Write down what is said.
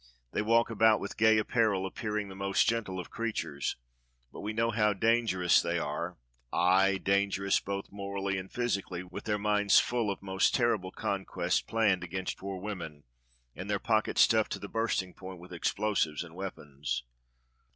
They walk about with gay apparel, appearing the most gentle of crea tures, but we know how dangerous they are, aye, dan gerous both morally and physically, w^ith their minds full of most terrible conquests planned against poor women, and their pockets stuffed to the bursting point with explosives and weapons."